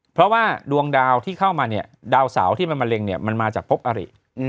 เพราะว่าดวงดาวที่เข้ามาดาวเสาที่มันมาเร่งมันมาจากภพอริ